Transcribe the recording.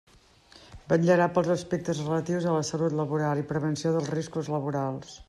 Vetllarà pels aspectes relatius a la salut laboral i prevenció dels riscos laborals.